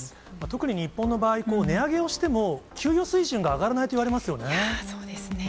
特に日本の場合、値上げをしても、給与水準が上がらないといわれますよね。